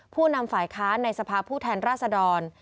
ผู้นำฝ่ายค้านในสภาพผู้แทนราษดร